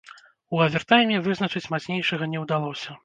У авертайме вызначыць мацнейшага не ўдалося.